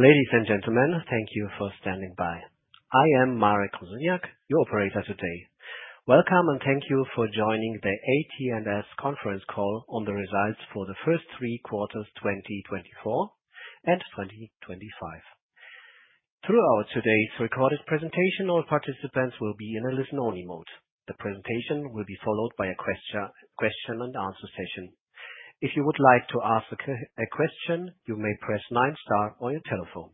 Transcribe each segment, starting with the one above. Ladies and gentlemen, thank you for standing by. I am Marek Konsoniak, your operator today. Welcome, and thank you for joining the AT&S conference call on the results for the first three quarters 2024 and 2025. Throughout today's recorded presentation, all participants will be in a listen-only mode. The presentation will be followed by a question-and-answer session. If you would like to ask a question, you may press nine-star on your telephone.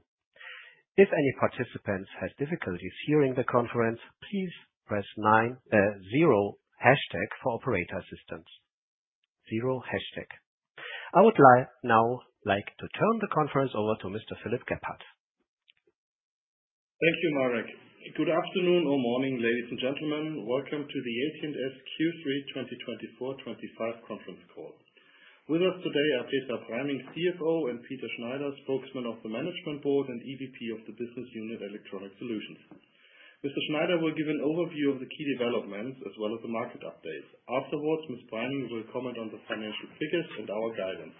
If any participant has difficulties hearing the conference, please press zero hashtag for operator assistance, zero hashtag. I would now like to turn the conference over to Mr. Philipp Gebhardt. Thank you, Marek. Good afternoon or morning, ladies and gentlemen. Welcome to the AT&S Q3 2024-25 conference call. With us today are Petra Preining, CFO, and Peter Schneider, spokesman of the Management Board and EVP of the business unit, Electronic Solutions. Mr. Schneider will give an overview of the key developments as well as the market updates. Afterwards, Ms. Preining will comment on the financial figures and our guidance.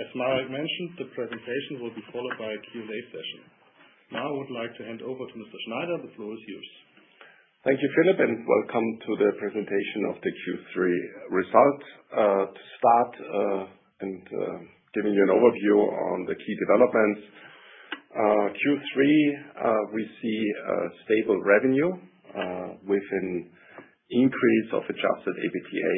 As Marek mentioned, the presentation will be followed by a Q&A session. Now I would like to hand over to Mr. Schneider. The floor is yours. Thank you, Philipp, and welcome to the presentation of the Q3 results. To start and giving you an overview on the key developments, Q3, we see stable revenue with an increase of adjusted EBITDA.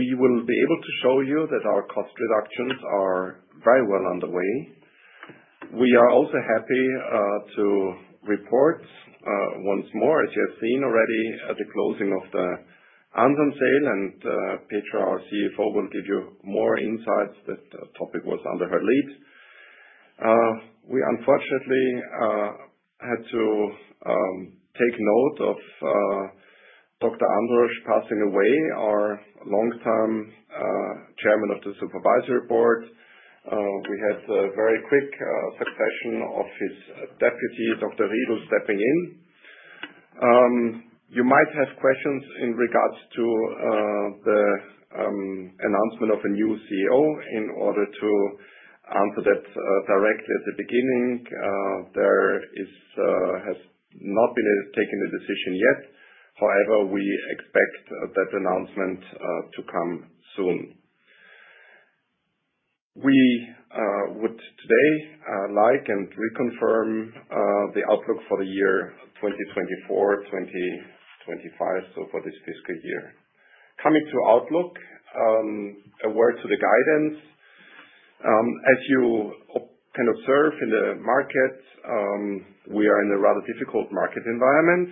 We will be able to show you that our cost reductions are very well underway. We are also happy to report once more, as you have seen already, the closing of the Ansan sale, and Petra, our CFO, will give you more insights that the topic was under her lead. We, unfortunately, had to take note of Dr. Androsch passing away, our long-time chairman of the supervisory board. We had a very quick succession of his deputy, Dr. Riedl, stepping in. You might have questions in regards to the announcement of a new CEO. In order to answer that directly at the beginning, there has not been taken a decision yet. However, we expect that announcement to come soon. We would today like and reconfirm the outlook for the year 2024-2025, so for this fiscal year. Coming to outlook, a word to the guidance. As you can observe in the market, we are in a rather difficult market environment.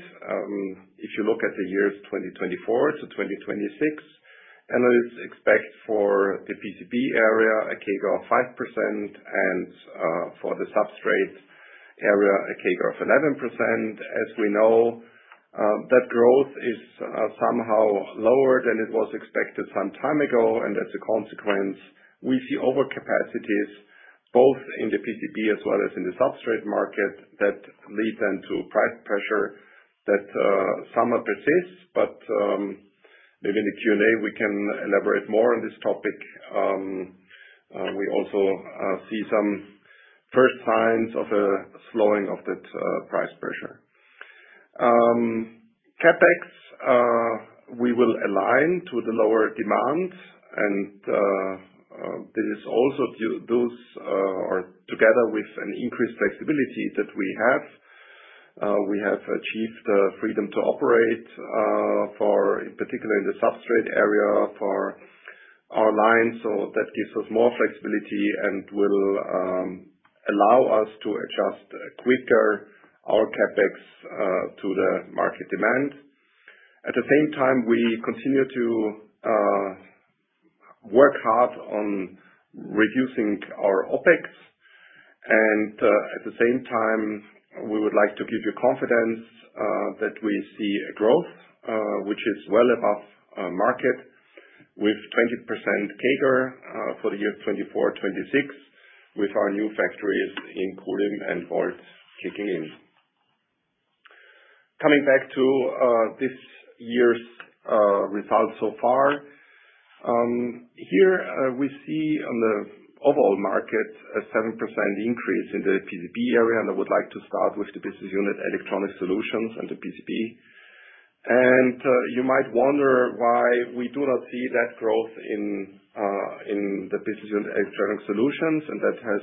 If you look at the years 2024 to 2026, analysts expect for the PCB area a CAGR of 5% and for the substrate area a CAGR of 11%. As we know, that growth is somehow lower than it was expected some time ago, and as a consequence, we see overcapacities both in the PCB as well as in the substrate market that lead then to price pressure that somewhat persists. But maybe in the Q&A we can elaborate more on this topic. We also see some first signs of a slowing of that price pressure. CapEx, we will align to the lower demand, and this is also due to or together with an increased flexibility that we have. We have achieved freedom to operate for, in particular, in the substrate area for our lines, so that gives us more flexibility and will allow us to adjust quicker our CapEx to the market demand. At the same time, we continue to work hard on reducing our OPEX, and at the same time, we would like to give you confidence that we see a growth which is well above market with 20% CAGR for the years 2024-2026 with our new factories in Kulim and Leoben kicking in. Coming back to this year's results so far, here we see on the overall market a 7% increase in the PCB area, and I would like to start with the business unit, Electronic Solutions and the PCB. And you might wonder why we do not see that growth in the business unit, Electronic Solutions, and that has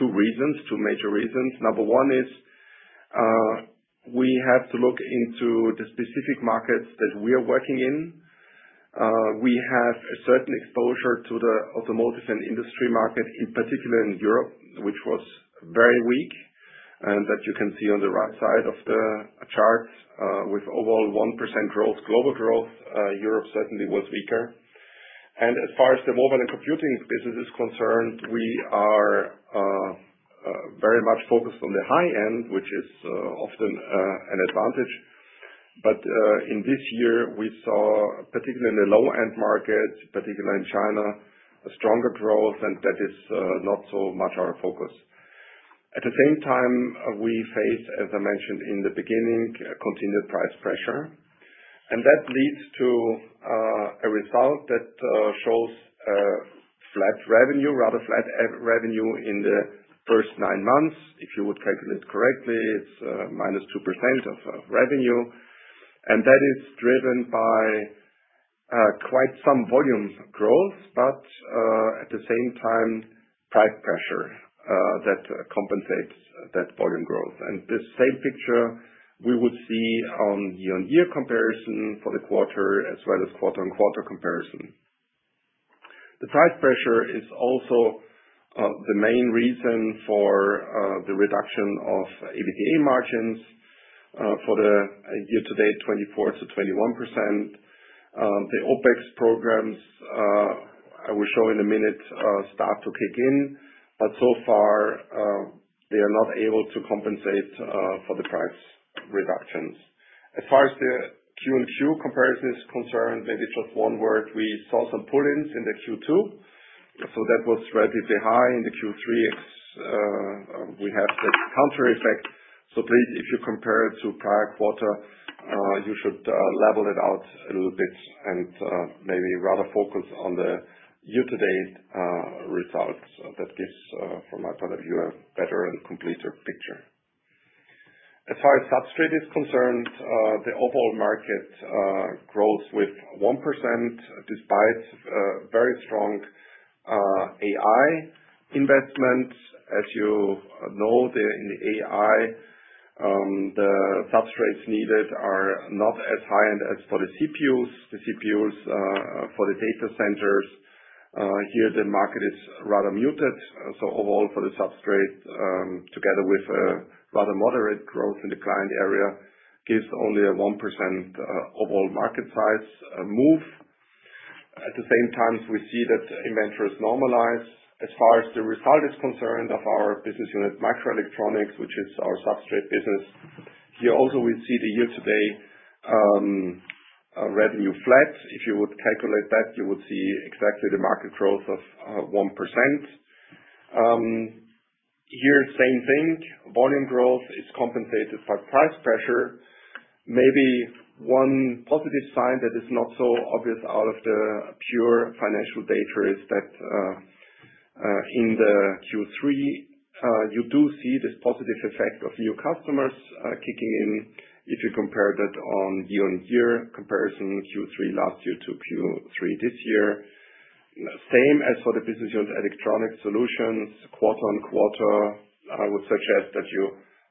two major reasons. Number one is we have to look into the specific markets that we are working in. We have a certain exposure to the automotive and industry market, in particular in Europe, which was very weak, and that you can see on the right side of the chart with overall 1% growth, global growth. Europe certainly was weaker. And as far as the mobile and computing business is concerned, we are very much focused on the high end, which is often an advantage. But in this year, we saw particularly in the low-end market, particularly in China, a stronger growth, and that is not so much our focus. At the same time, we face, as I mentioned in the beginning, continued price pressure, and that leads to a result that shows flat revenue, rather flat revenue in the first nine months. If you would calculate correctly, it's -2% of revenue, and that is driven by quite some volume growth, but at the same time, price pressure that compensates that volume growth, and this same picture we would see on year-on-year comparison for the quarter as well as quarter-on-quarter comparison. The price pressure is also the main reason for the reduction of EBITDA margins for the year-to-date 24% to 21%. The OPEX programs, I will show in a minute, start to kick in, but so far they are not able to compensate for the price reductions. As far as the Q&Q comparison is concerned, maybe just one word, we saw some pull-ins in the Q2, so that was relatively high. In the Q3, we have the counter effect, so please, if you compare it to prior quarter, you should level it out a little bit and maybe rather focus on the year-to-date results. That gives, from my point of view, a better and complete picture. As far as substrate is concerned, the overall market grows with 1% despite very strong AI investments. As you know, in the AI, the substrates needed are not as high as for the CPUs. The CPUs for the data centers, here the market is rather muted. So overall, for the substrate, together with a rather moderate growth in the client area, gives only a 1% overall market size move. At the same time, we see that inventories normalize. As far as the result is concerned of our business unit, Microelectronics, which is our substrate business, here also we see the year-to-date revenue flat. If you would calculate that, you would see exactly the market growth of 1%. Here, same thing, volume growth is compensated by price pressure. Maybe one positive sign that is not so obvious out of the pure financial data is that in the Q3, you do see this positive effect of new customers kicking in if you compare that on year-on-year comparison, Q3 last year to Q3 this year. Same as for the business unit, Electronic Solutions, quarter-on-quarter, I would suggest that you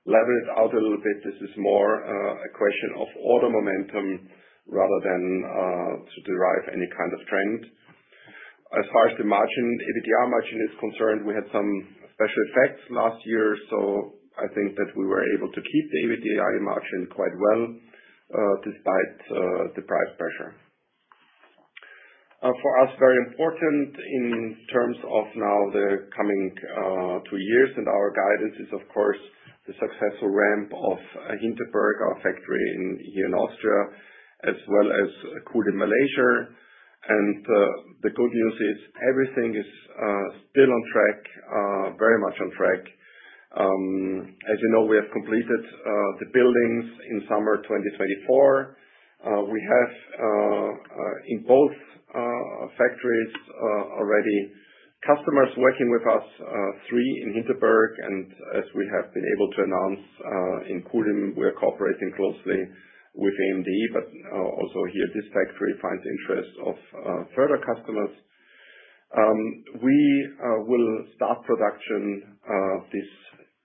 level it out a little bit. This is more a question of order momentum rather than to derive any kind of trend. As far as the margin, EBITDA margin is concerned, we had some special effects last year, so I think that we were able to keep the EBITDA margin quite well despite the price pressure. For us, very important in terms of now the coming two years, and our guidance is, of course, the successful ramp of Hinterberg, our factory here in Austria, as well as Kulim, Malaysia, and the good news is everything is still on track, very much on track. As you know, we have completed the buildings in summer 2024. We have, in both factories, already customers working with us, three in Hinterberg, and as we have been able to announce in Kulim, we are cooperating closely with AMD, but also here this factory finds interest of further customers. We will start production this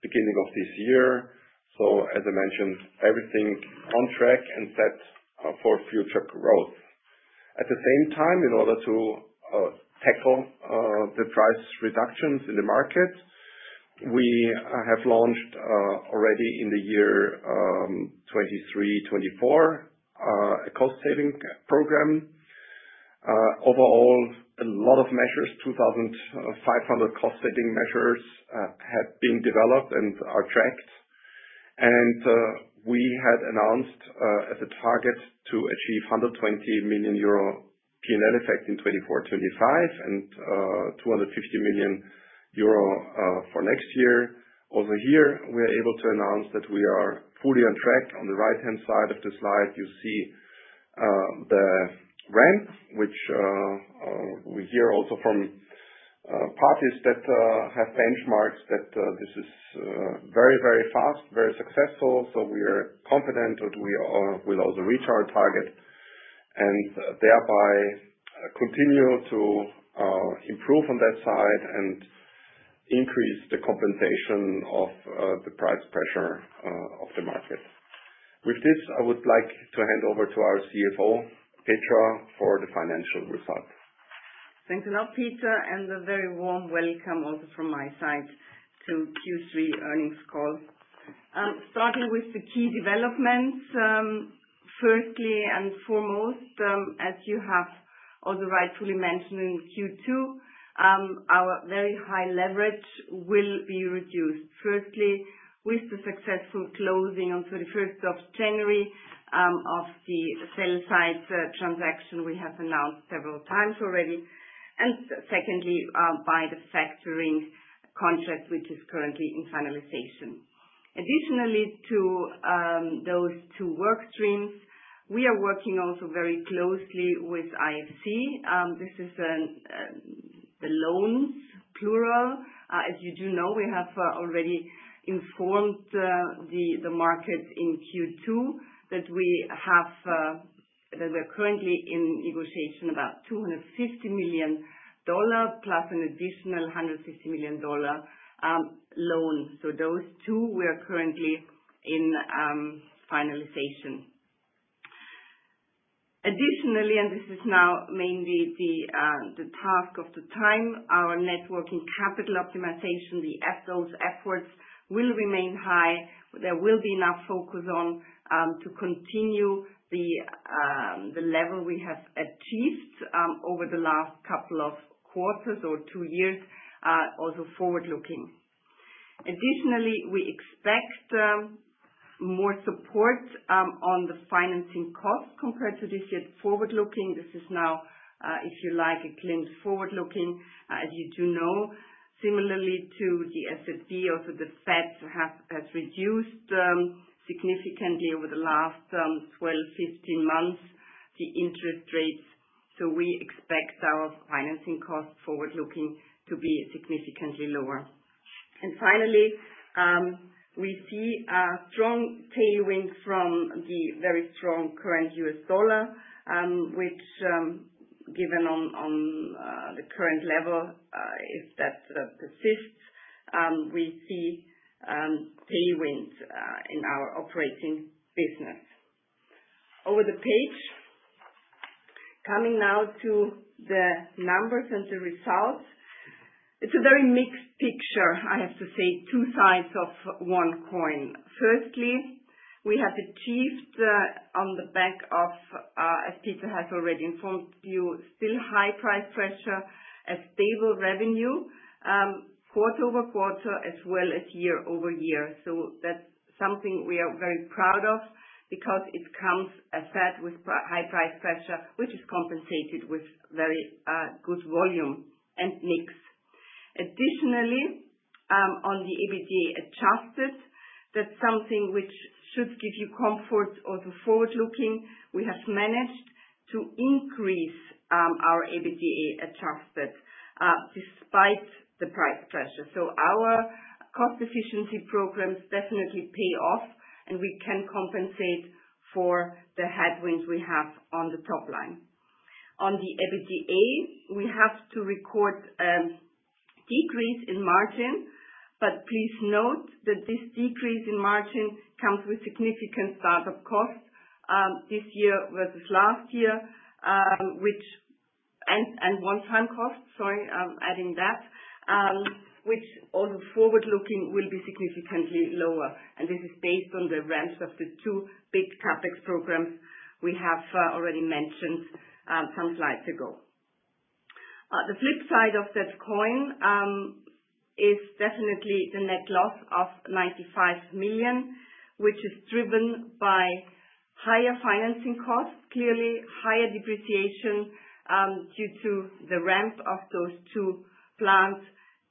beginning of this year, so as I mentioned, everything on track and set for future growth. At the same time, in order to tackle the price reductions in the market, we have launched already in the year 2023-2024 a cost-saving program. Overall, a lot of measures, 2,500 cost-saving measures have been developed and are tracked, and we had announced as a target to achieve 120 million euro P&L effect in 2024-2025 and 250 million euro for next year. Also here, we are able to announce that we are fully on track. On the right-hand side of the slide, you see the ramp, which we hear also from parties that have benchmarks that this is very, very fast, very successful, so we are confident that we will also reach our target and thereby continue to improve on that side and increase the compensation of the price pressure of the market. With this, I would like to hand over to our CFO, Petra, for the financial results. Thanks a lot, Peter, and a very warm welcome also from my side to Q3 earnings call. Starting with the key developments, firstly and foremost, as you have also rightfully mentioned in Q2, our very high leverage will be reduced. Firstly, with the successful closing on 31st of January 2025 of the sell-side transaction, we have announced several times already, and secondly, by the factoring contract, which is currently in finalization. Additionally, to those two work streams, we are working also very closely with IFC. This is the loans plural. As you do know, we have already informed the market in Q2 that we are currently in negotiation about $250 million plus an additional $150 million loan. So those two, we are currently in finalization. Additionally, and this is now mainly the task of the time, our net working capital optimization, the focused efforts will remain high. There will be enough focus on to continue the level we have achieved over the last couple of quarters or two years, also forward-looking. Additionally, we expect more support on the financing cost compared to this year forward-looking. This is now, if you like, a clean forward-looking. As you do know, similarly to the ECB and the Fed has reduced significantly over the last 12 to 15 months the interest rates, so we expect our financing cost forward-looking to be significantly lower. And finally, we see a strong tailwind from the very strong current U.S. dollar, which, given on the current level, if that persists, we see tailwinds in our operating business. Over the page, coming now to the numbers and the results, it's a very mixed picture, I have to say, two sides of one coin. Firstly, we have achieved, on the back of, as Peter has already informed you, still high price pressure, a stable revenue quarter-over-quarter as well as year-over-year. So that's something we are very proud of because it comes, as said, with high price pressure, which is compensated with very good volume and mix. Additionally, on the EBITDA adjusted, that's something which should give you comfort also forward-looking. We have managed to increase our EBITDA adjusted despite the price pressure. So our cost efficiency programs definitely pay off, and we can compensate for the headwinds we have on the top line. On the EBITDA, we have to record a decrease in margin, but please note that this decrease in margin comes with significant startup costs this year versus last year, which, and one-time costs, sorry, adding that, which also forward-looking will be significantly lower. This is based on the ramps of the two big CapEx programs we have already mentioned some slides ago. The flip side of that coin is definitely the net loss of € 95 million, which is driven by higher financing costs, clearly higher depreciation due to the ramp of those two plants,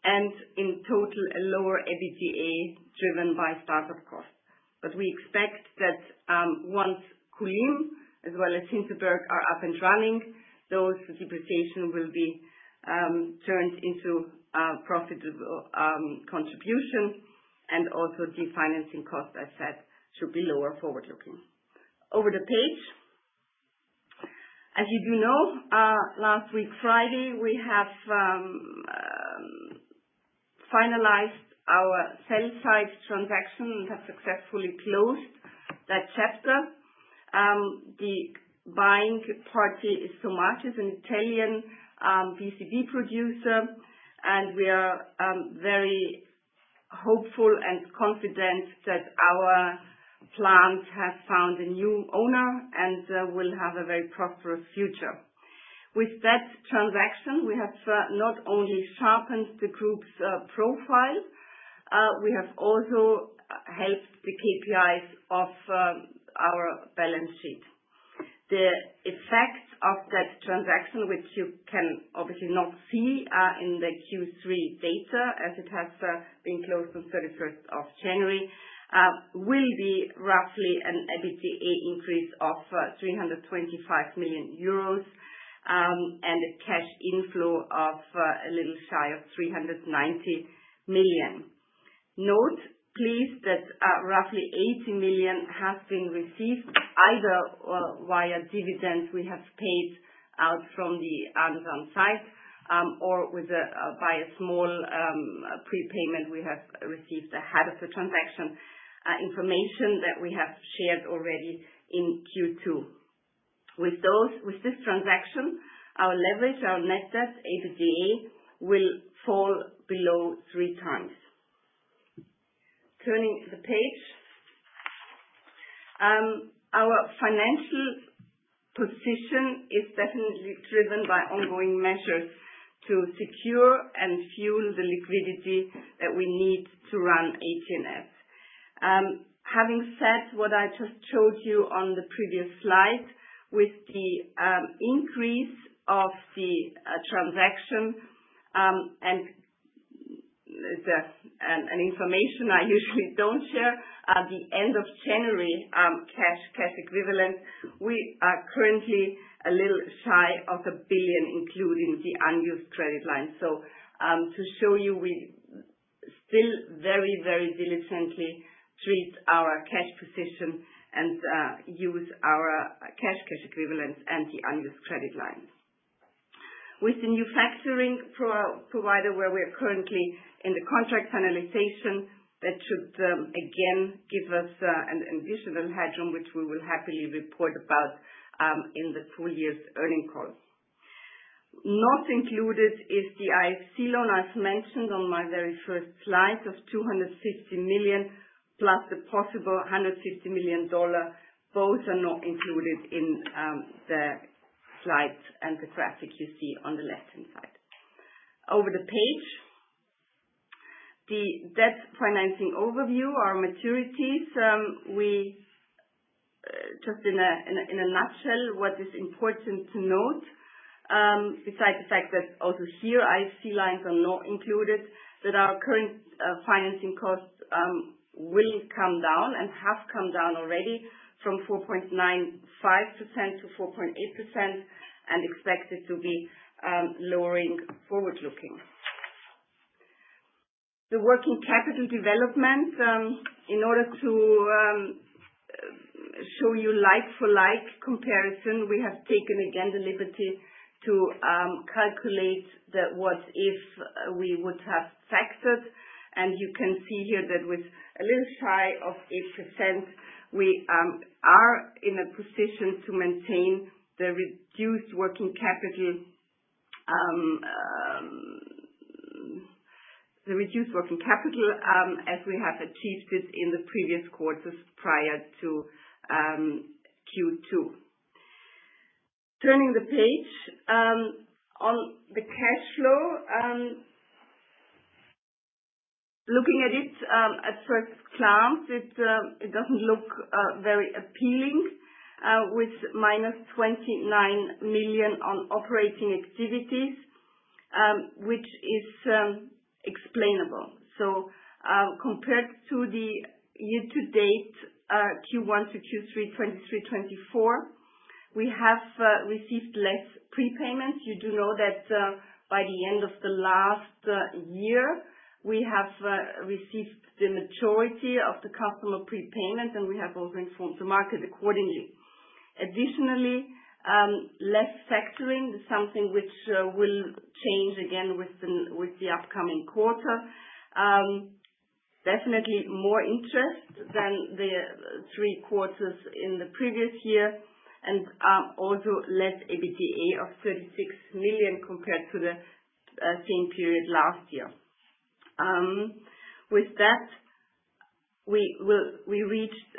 and in total, a lower EBITDA driven by startup costs. But we expect that once Kulim as well as Hinterberg are up and running, those depreciation will be turned into profitable contribution, and also the financing cost, as said, should be lower forward-looking. Over the page, as you do know, last week Friday, we have finalized our sell-side transaction and have successfully closed that chapter. The buying party is Somacis, an Italian PCB producer, and we are very hopeful and confident that our plant has found a new owner and will have a very prosperous future. With that transaction, we have not only sharpened the group's profile, we have also helped the KPIs of our balance sheet. The effects of that transaction, which you can obviously not see in the Q3 data as it has been closed on 31st of January, will be roughly an EBITDA increase of 325 million euros and a cash inflow of a little shy of 390 million. Note please that roughly 80 million has been received either via dividends we have paid out from the Ansan site or by a small prepayment we have received ahead of the transaction information that we have shared already in Q2. With this transaction, our leverage, our net debt EBITDA will fall below three times. Turning the page, our financial position is definitely driven by ongoing measures to secure and fuel the liquidity that we need to run AT&S. Having said what I just showed you on the previous slide, with the increase of the transaction and as an information I usually don't share, at the end of January, cash equivalent, we are currently a little shy of a billion including the unused credit line. So to show you, we still very, very diligently treat our cash position and use our cash equivalents and the unused credit lines. With the new factoring provider where we are currently in the contract finalization, that should again give us an additional headroom which we will happily report about in the full year's earnings call. Not included is the IFC loan I've mentioned on my very first slide of 250 million plus the possible $150 million. Both are not included in the slides and the graphic you see on the left-hand side. Over the page, the debt financing overview, our maturities, just in a nutshell, what is important to note besides the fact that also here IFC lines are not included, that our current financing costs will come down and have come down already from 4.95% to 4.8% and expect it to be lowering forward-looking. The working capital development, in order to show you like-for-like comparison, we have taken again the liberty to calculate the what-if we would have factored, and you can see here that with a little shy of 8%, we are in a position to maintain the reduced working capital as we have achieved it in the previous quarters prior to Q2. Turning the page on the cash flow, looking at it at first glance, it doesn't look very appealing with minus €29 million on operating activities, which is explainable. Compared to the year-to-date Q1 to Q3 2023-2024, we have received less prepayments. You do know that by the end of the last year, we have received the majority of the customer prepayments, and we have also informed the market accordingly. Additionally, less factoring is something which will change again with the upcoming quarter. Definitely more interest than the three quarters in the previous year and also less EBITDA of 36 million compared to the same period last year. With that, we reached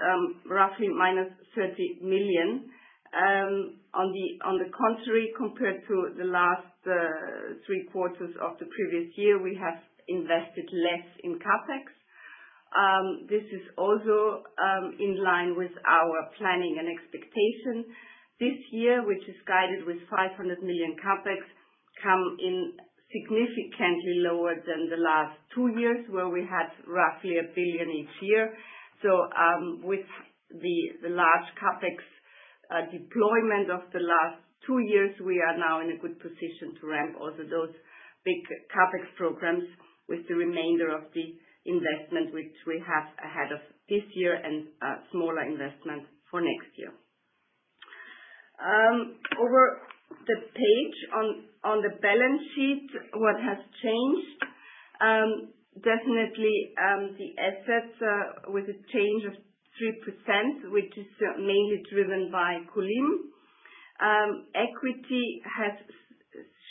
roughly -30 million. On the contrary, compared to the last three quarters of the previous year, we have invested less in CapEx. This is also in line with our planning and expectation. This year, which is guided with 500 million CapEx, comes in significantly lower than the last two years where we had roughly 1 billion each year. So with the large CapEx deployment of the last two years, we are now in a good position to ramp also those big CapEx programs with the remainder of the investment which we have ahead of this year and a smaller investment for next year. Over the page on the balance sheet, what has changed? Definitely the assets with a change of 3%, which is mainly driven by Kulim. Equity has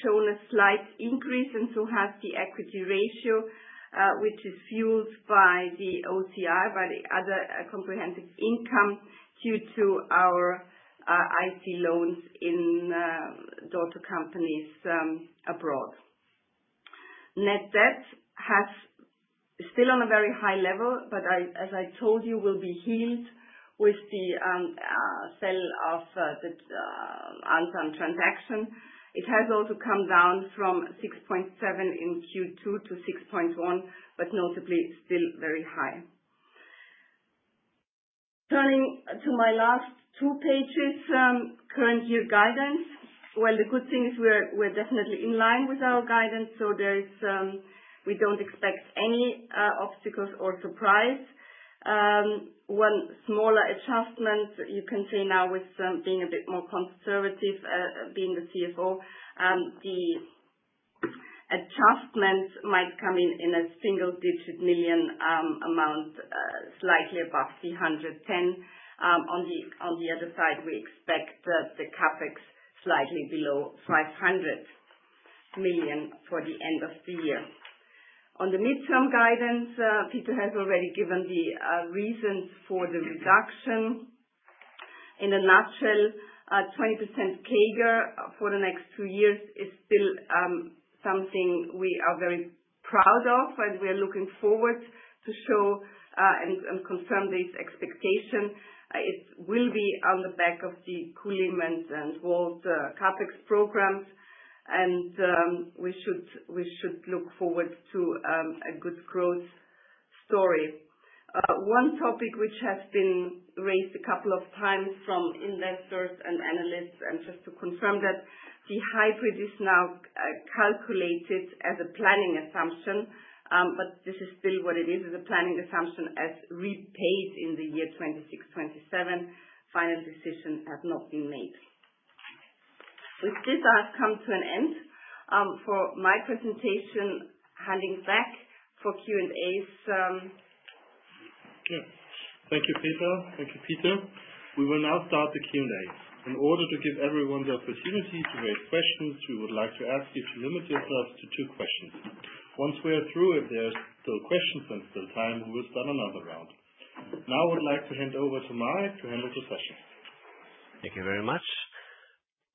shown a slight increase and so has the equity ratio, which is fueled by the OCI, by the other comprehensive income due to our IFC loans in daughter companies abroad. Net debt is still on a very high level, but as I told you, will be healed with the sale of the Ansan transaction. It has also come down from 6.7 in Q2 to 6.1, but notably still very high. Turning to my last two pages, current year guidance. The good thing is we're definitely in line with our guidance, so we don't expect any obstacles or surprises. One smaller adjustment, you can see now with being a bit more conservative, being the CFO, the adjustment might come in a single-digit million amount, slightly above 310 million. On the other side, we expect the CapEx slightly below 500 million for the end of the year. On the midterm guidance, Peter has already given the reasons for the reduction. In a nutshell, 20% CAGR for the next two years is still something we are very proud of, and we are looking forward to show and confirm these expectations. It will be on the back of the Kulim and Leoben CapEx programs, and we should look forward to a good growth story. One topic which has been raised a couple of times from investors and analysts, and just to confirm that, the hybrid is now calculated as a planning assumption, but this is still what it is, is a planning assumption as required in the year 2026-2027. Final decision has not been made. With this, I have come to an end for my presentation. Handing back for Q&As. Thank you, Petra. Thank you, Peter. We will now start the Q&A. In order to give everyone the opportunity to raise questions, we would like to ask you to limit yourselves to two questions. Once we are through, if there are still questions and still time, we will start another round. Now I would like to hand over to Marek to handle the session. Thank you very much.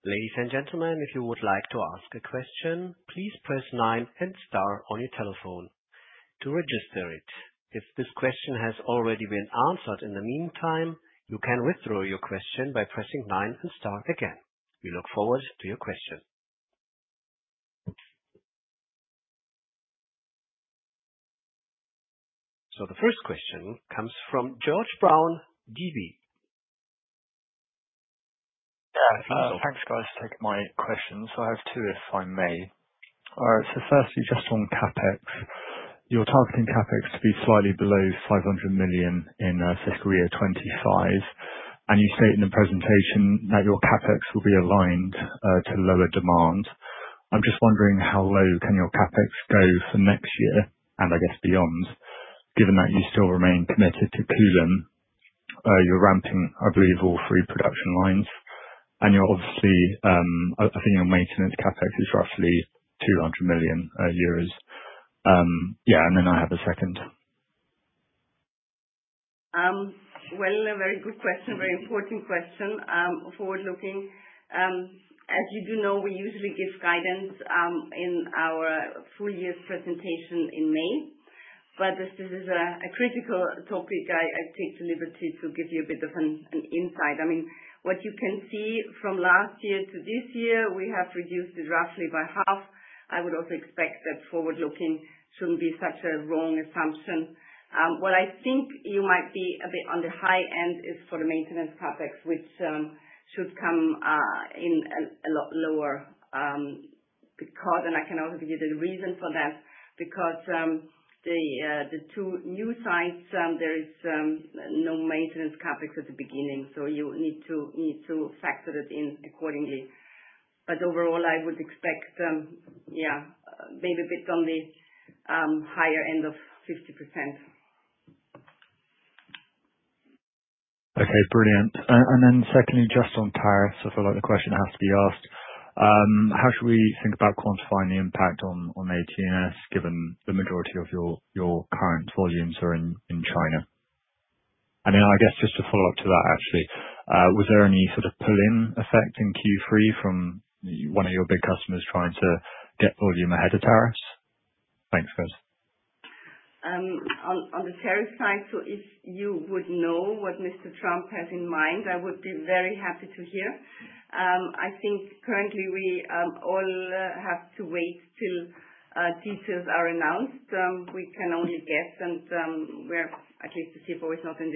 Ladies and gentlemen, if you would like to ask a question, please press nine and star on your telephone to register it. If this question has already been answered in the meantime, you can withdraw your question by pressing nine and star again. We look forward to your question. So the first question comes from George Brown, DB. Thanks, guys. Take my question. So I have two, if I may. So firstly, just on CapEx, you're targeting CapEx to be slightly below 500 million in fiscal year 2025, and you state in the presentation that your CapEx will be aligned to lower demand. I'm just wondering how low can your CapEx go for next year and, I guess, beyond, given that you still remain committed to Kulim. You're ramping, I believe, all three production lines, and you're obviously, I think your maintenance CapEx is roughly 200 million euros a year. Yeah, and then I have a second. A very good question, very important question, forward-looking. As you do know, we usually give guidance in our full year's presentation in May, but this is a critical topic. I take the liberty to give you a bit of an insight. I mean, what you can see from last year to this year, we have reduced it roughly by half. I would also expect that forward-looking shouldn't be such a wrong assumption. What I think you might be a bit on the high end is for the maintenance CapEx, which should come in a lot lower because, and I can also give you the reason for that, because the two new sites, there is no maintenance CapEx at the beginning, so you need to factor that in accordingly. But overall, I would expect, yeah, maybe a bit on the higher end of 50%. Okay, brilliant. And then secondly, just on tariffs, I feel like the question has to be asked. How should we think about quantifying the impact on AT&S given the majority of your current volumes are in China? And then I guess just to follow up to that, actually, was there any sort of pull-in effect in Q3 from one of your big customers trying to get volume ahead of tariffs? Thanks, guys. On the tariff side, so if you would know what Mr. Trump has in mind, I would be very happy to hear. I think currently we all have to wait till details are announced. We can only guess, and at least the CFO is not in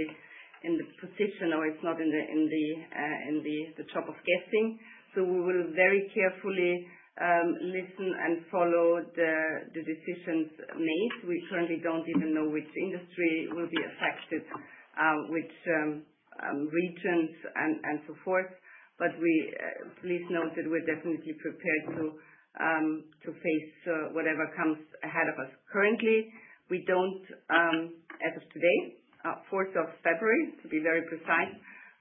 the position or is not in the job of guessing. So we will very carefully listen and follow the decisions made. We currently don't even know which industry will be affected, which regions and so forth, but please note that we're definitely prepared to face whatever comes ahead of us. Currently, we don't, as of today, 4th of February 2025, to be very precise,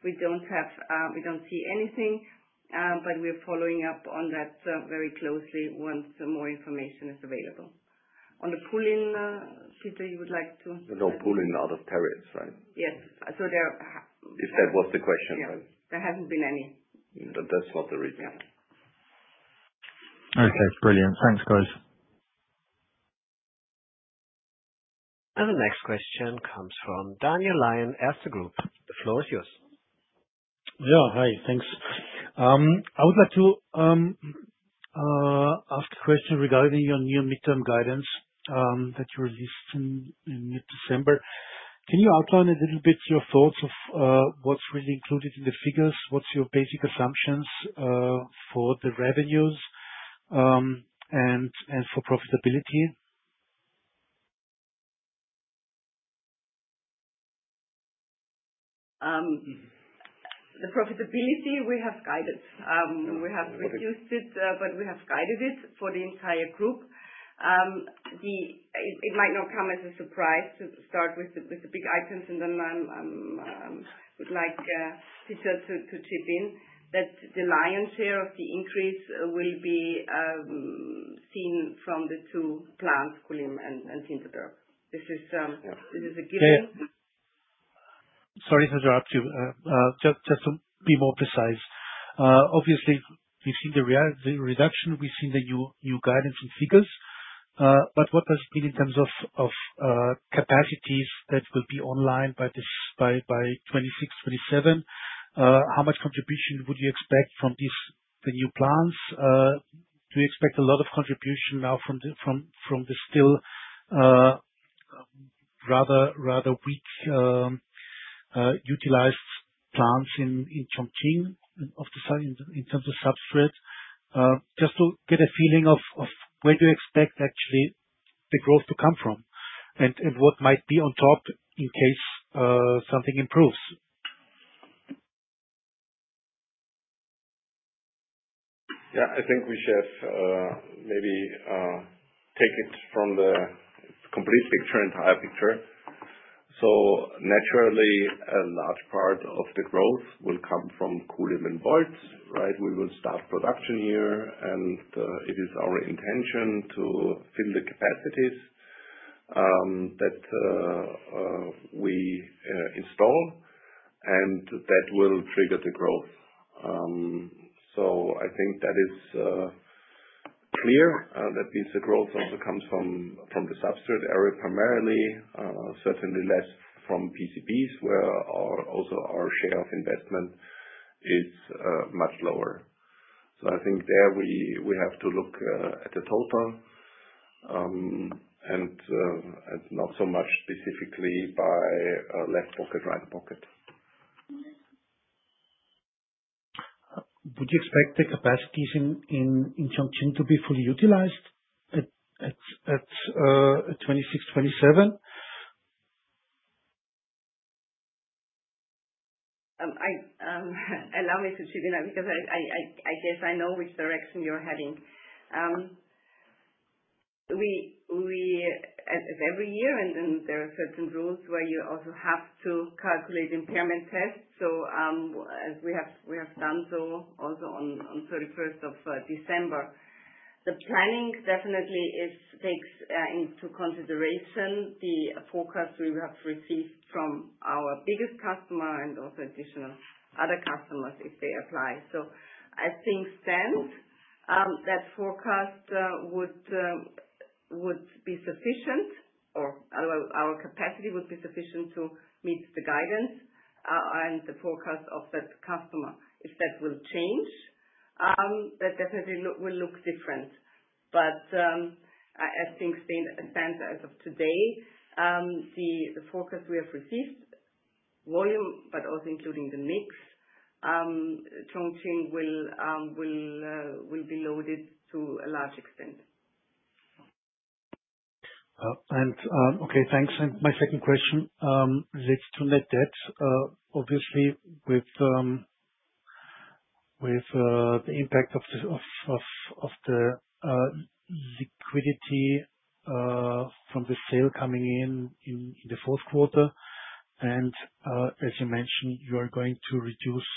we don't see anything, but we're following up on that very closely once more information is available. On the pulling, Peter, you would like to? No, pulling out of tariffs, right? Yes. So there. If that was the question, right? Yes. There hasn't been any. That's not the reason. Okay, brilliant. Thanks, guys. The next question comes from Daniel Lion at Erste Group. The floor is yours. Yeah, hi. Thanks. I would like to ask a question regarding your near-midterm guidance that you released in mid-December. Can you outline a little bit your thoughts of what's really included in the figures? What's your basic assumptions for the revenues and for profitability? The profitability, we have guided. We have reduced it, but we have guided it for the entire group. It might not come as a surprise to start with the big items, and then I would like Peter to chip in that the lion's share of the increase will be seen from the two plants, Kulim and Hinterberg. This is a given. Sorry to interrupt you. Just to be more precise, obviously, we've seen the reduction. We've seen the new guidance and figures, but what does it mean in terms of capacities that will be online by 2026-2027? How much contribution would you expect from the new plants? Do you expect a lot of contribution now from the still rather weak utilized plants in Chongqing in terms of substrate? Just to get a feeling of where do you expect actually the growth to come from and what might be on top in case something improves. Yeah, I think we should maybe take it from the complete picture, entire picture. So naturally, a large part of the growth will come from Kulim and Waltz, right? We will start production here, and it is our intention to fill the capacities that we install, and that will trigger the growth. So I think that is clear that the growth also comes from the substrate area primarily, certainly less from PCBs, where also our share of investment is much lower. So I think there we have to look at the total and not so much specifically by left pocket, right pocket. Would you expect the capacities in Chongqing to be fully utilized at 2026-2027? Allow me to chip in because I guess I know which direction you're heading. Every year, and then there are certain rules where you also have to calculate impairment tests. So we have done so also on 31st of December. The planning definitely takes into consideration the forecast we have received from our biggest customer and also additional other customers if they apply. So I think, Stan, that forecast would be sufficient, or our capacity would be sufficient to meet the guidance and the forecast of that customer. If that will change, that definitely will look different. But I think, Stan, as of today, the forecast we have received, volume, but also including the mix, Chongqing will be loaded to a large extent. And okay, thanks. And my second question relates to net debt. Obviously, with the impact of the liquidity from the sale coming in in the Q4, and as you mentioned, you are going to reduce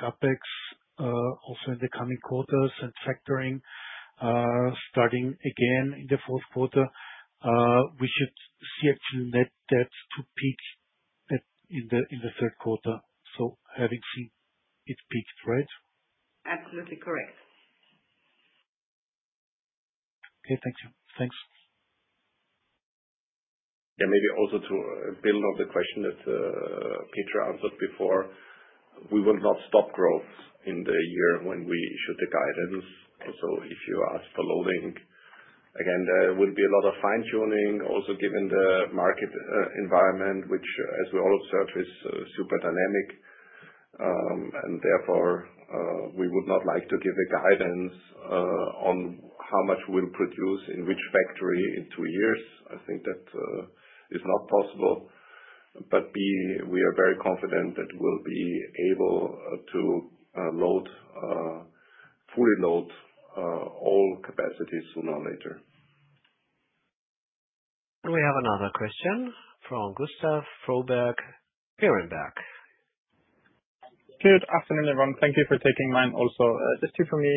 CapEx also in the coming quarters and factoring starting again in the Q4, we should see actual net debt to peak in the Q3. So having seen it peaked, right? Absolutely correct. Okay, thank you. Thanks. Yeah, maybe also to build on the question that Peter answered before, we will not stop growth in the year when we issue the guidance. So if you ask for loading, again, there will be a lot of fine-tuning, also given the market environment, which, as we all observe, is super dynamic. And therefore, we would not like to give a guidance on how much we'll produce in which factory in two years. I think that is not possible. But we are very confident that we'll be able to fully load all capacities sooner or later. We have another question from Gustav Fröberg, Berenberg. Good afternoon, everyone. Thank you for taking my call also. Just two from me.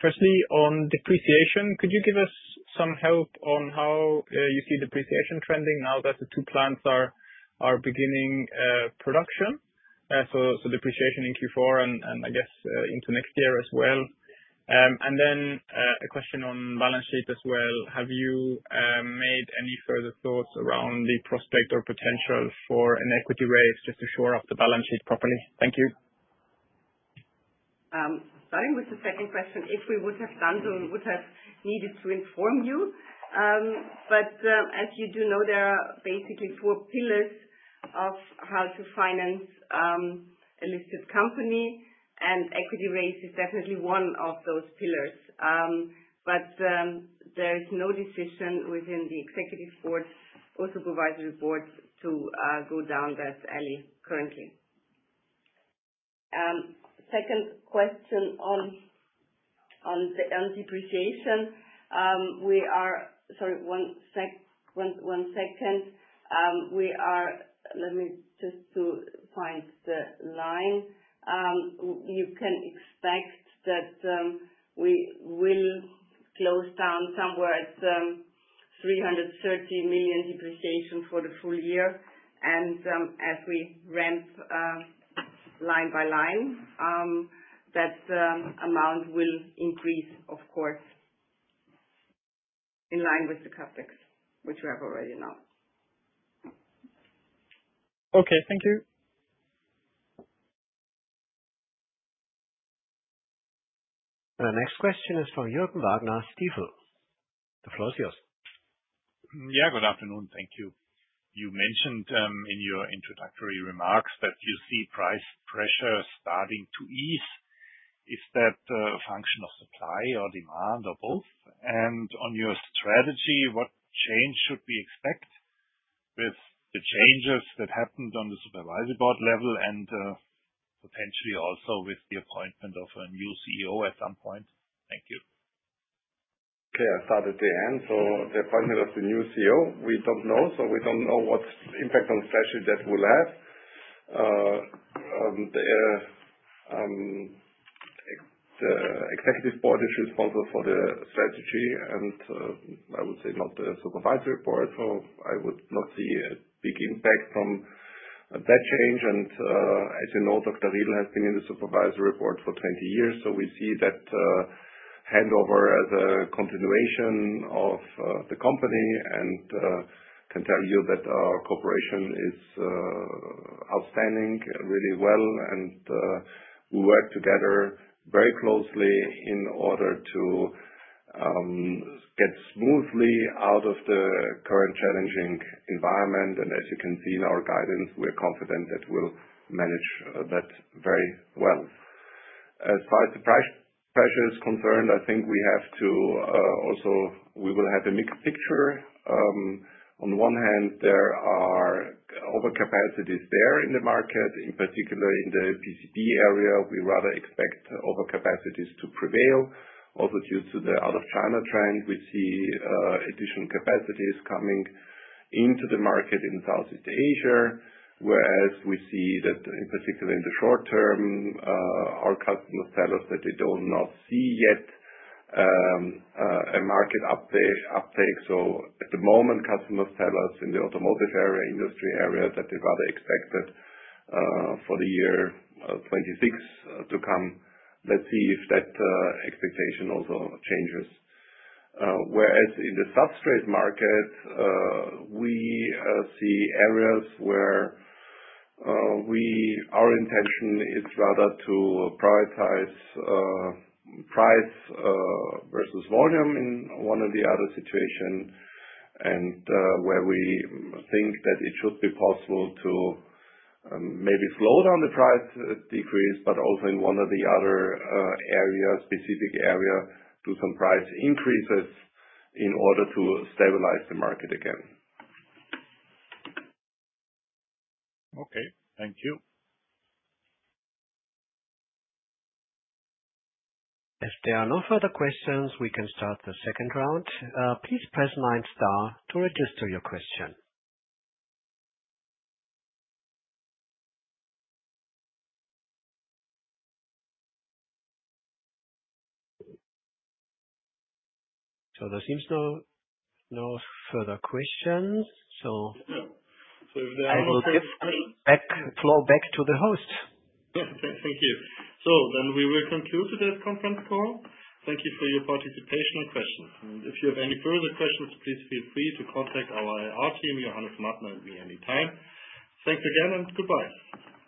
Firstly, on depreciation, could you give us some help on how you see depreciation trending now that the two plants are beginning production? So depreciation in Q4 and, I guess, into next year as well. And then a question on balance sheet as well. Have you made any further thoughts around the prospect or potential for an equity raise just to shore up the balance sheet properly? Thank you. Starting with the second question, if we would have done so, we would have needed to inform you. But as you do know, there are basically four pillars of how to finance a listed company, and equity raise is definitely one of those pillars. But there is no decision within the executive board or supervisory board to go down that alley currently. Second question on depreciation, we are. Sorry, one second. Let me just find the line. You can expect that we will close down somewhere at 330 million depreciation for the full year, and as we ramp line by line, that amount will increase, of course, in line with the CapEx, which we have already now. Okay, thank you. And the next question is from Jürgen Wagner, Stifel. The floor is yours. Yeah, good afternoon. Thank you. You mentioned in your introductory remarks that you see price pressure starting to ease. Is that a function of supply or demand or both? And on your strategy, what change should we expect with the changes that happened on the supervisory board level and potentially also with the appointment of a new CEO at some point? Thank you. Okay, I'll start at the end. So the appointment of the new CEO, we don't know. So we don't know what impact on strategy that will have. The executive board is responsible for the strategy, and I would say not the supervisory board. So I would not see a big impact from that change. And as you know, Dr. Riedl has been in the supervisory board for 20 years. So we see that handover as a continuation of the company and can tell you that our cooperation is outstanding, really well. And we work together very closely in order to get smoothly out of the current challenging environment. And as you can see in our guidance, we're confident that we'll manage that very well. As far as the price pressure is concerned, I think we have to also. We will have a mixed picture. On one hand, there are overcapacities there in the market, in particular in the PCB area. We rather expect overcapacities to prevail, also due to the out-of-China trend. We see additional capacities coming into the market in Southeast Asia, whereas we see that, in particular in the short term, our customers tell us that they do not see yet a market uptake. So at the moment, customers tell us in the automotive area, industry area, that they rather expect that for the year 2026 to come. Let's see if that expectation also changes. Whereas in the substrate market, we see areas where our intention is rather to prioritize price versus volume in one or the other situation, and where we think that it should be possible to maybe slow down the price decrease, but also in one or the other specific area, do some price increases in order to stabilize the market again. Okay, thank you. If there are no further questions, we can start the second round. Please press nine star to register your question. So there seems no further questions. So. So if there are no questions. I will give the floor back to the host. Thank you. So then we will conclude today's conference call. Thank you for your participation and questions. And if you have any further questions, please feel free to contact our IR team, Johannes Madner, and me anytime. Thanks again and goodbye.